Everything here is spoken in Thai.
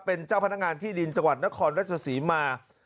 เป็นเจ้าพนักงานที่ดินจังหวัดนครราชศรีมา